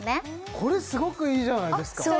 これすごくいいじゃないですかじゃ